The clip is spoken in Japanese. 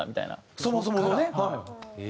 そもそものねはい。